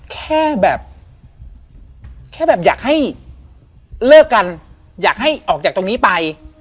แค่แบบแค่แบบอยากให้เลิกกันอยากให้ออกจากตรงนี้ไป